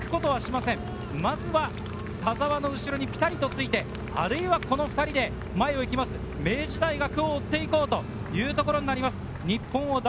まずは田澤の後ろにピタリとついて、この２人で前を行く明治大学を追って行こうというところになります。